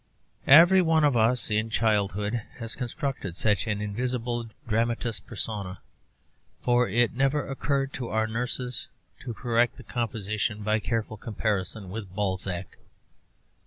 Every one of us in childhood has constructed such an invisible dramatis personæ, but it never occurred to our nurses to correct the composition by careful comparison with Balzac.